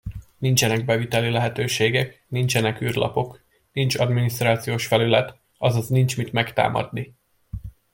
Nincsenek beviteli lehetőségek, nincsenek űrlapok, nincs adminisztrációs felület, azaz nincs mit megtámadni.